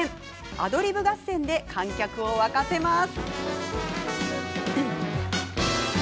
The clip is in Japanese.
アドリブ合戦で観客を沸かせます。